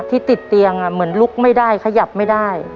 ที่ติดเตียงเหมือนลุกไม่ได้ขยับไม่ได้